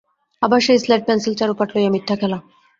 আবার সেই স্লেট-পেনসিল চারুপাঠ লইয়া মিথ্যা খেলা।